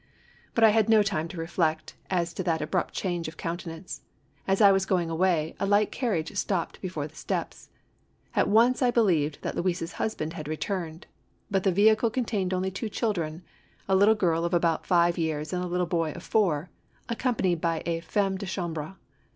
But I had no time to reflect as to that abrupt change of countenance. As I was going away, a light carriage stopped before the front steps. At once I believed that Louise's husband had returned. But the vehicle con tained only two children — a little girl of about five years and a little boy of four — accompanied by a femme de chambre.